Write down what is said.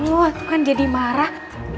aduh kan jadi marah